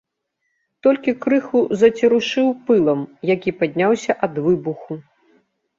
Толькі крыху зацерушыў пылам, які падняўся ад выбуху.